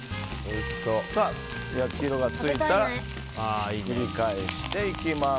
焼き色がついたらひっくり返していきます。